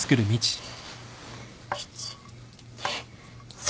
１２３。